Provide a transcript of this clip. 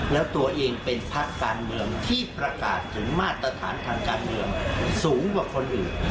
แล้วตัวเองเป็นพักการเมืองที่ประกาศถึงมาตรฐานทางการเมืองสูงกว่าคนอื่น